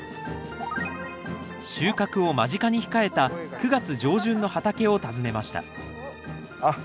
収穫を間近に控えた９月上旬の畑を訪ねましたあっ。